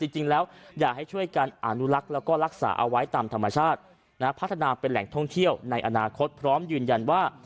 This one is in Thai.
อยากให้ช่วยกันอนุลักษ์แล้วก็รักษาเอาไว้ตามธรรมชาติพัฒนาเป็นแหล่งท่องเที่ยวในอนาคตพร้อมยืนยันว่า